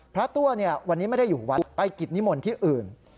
ตัววันนี้ไม่ได้อยู่วัดไปกิจนิมนต์ที่อื่น